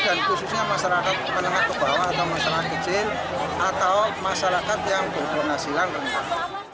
dan khususnya masyarakat penengah kebawah atau masyarakat kecil atau masyarakat yang berponasi yang rendah